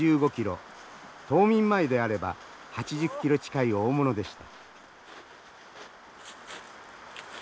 冬眠前であれば８０キロ近い大物でした。